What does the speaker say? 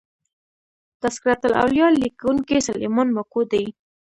" تذکرة الاولیا" لیکونکی سلیمان ماکو دﺉ.